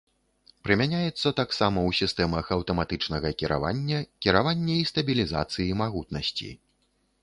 Прымяняецца таксама ў сістэмах аўтаматычнага кіравання, кіравання і стабілізацыі магутнасці.